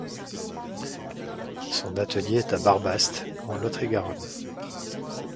Son atelier est à Barbaste, en Lot-et-Garonne.